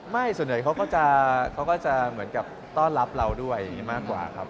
ไม่ส่วนใหญ่เขาก็จะเขาก็จะเหมือนกับรับต้อนรับเราด้วยมากกว่าครับ